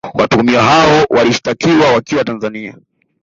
Watuhumiwa hao walishitakiwa wakiwa Tanzania